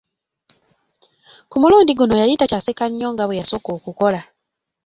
Ku mulundi guno yali takyaseka nnyo nga bwe yasooka okukola.